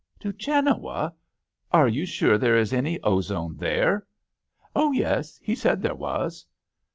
" To Genoa ! Are you sure there is any ozone there ?"Oh yes ; he said there was."